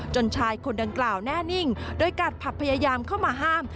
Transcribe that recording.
ชายคนดังกล่าวแน่นิ่งโดยกาดผับพยายามเข้ามาห้าม